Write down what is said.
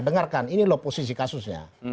dengarkan ini loh posisi kasusnya